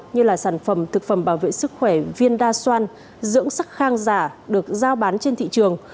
như là sản phẩm thực phẩm bảo vệ sức khỏe viên đa soan dưỡng sắc khang giả được giao bán trên thị trường